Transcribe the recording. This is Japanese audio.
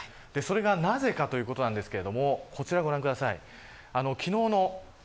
それがなぜかということですがこちら、ご覧ください。